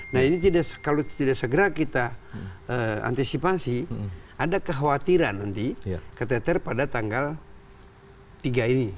nah ini kalau tidak segera kita antisipasi ada kekhawatiran nanti ktter pada tanggal tiga ini